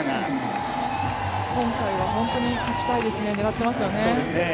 今回は本当に勝ちたいですね、狙ってますね。